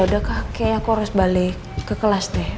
ya udah kak kayaknya aku harus balik ke kelas deh